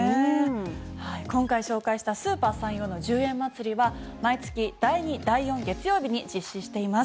今回紹介したスーパーさんようの１０円まつりは毎月第２と第４月曜日に実施しています。